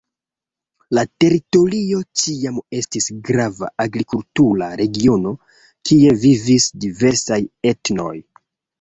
La teritorio ĉiam estis grava agrikultura regiono, kie vivis diversaj etnoj.